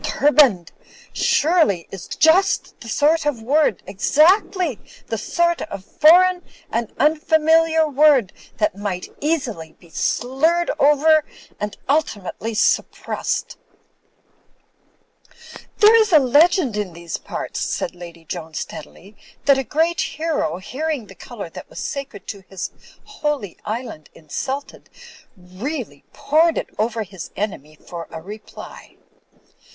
Turban'd' surely is just the sort of word, exactly the sort of foreign and un familiar word, that might easily be slurred over and ultimately suppressed." Digitized by CjOOQ IC 40 THE FLYING INN ^There is a legend in these parts," said Lady Joan, steadily, "that a great hero, hearing the colour that was sacred to his holy island instilted, really poured it over his enemy for a reply."